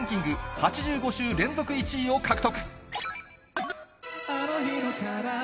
８５週連続１位を獲得。